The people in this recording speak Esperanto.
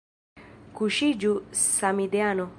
Kuŝiĝu samideano!